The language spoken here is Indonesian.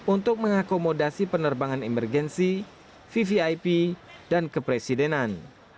untuk mengakomodasi penerbangan emergensi vvip dan kepresidenan